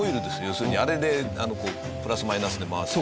要するにあれでプラスマイナスで回す。